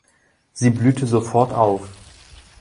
Sie blühte sofort auf.